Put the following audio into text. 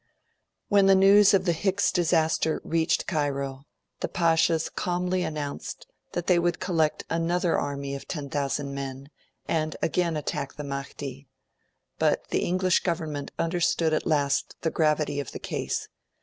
When the news of the Hicks disaster reached Cairo, the Pashas calmly announced that they would collect another army of 10,000 men, and again attack the Mahdi; but the English Government understood at last the gravity of the case.